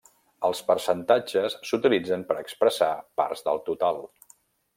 Els percentatges s’utilitzen per expressar parts del total.